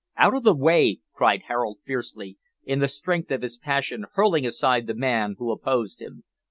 "Out of the way!" cried Harold fiercely, in the strength of his passion hurling aside the man who opposed him.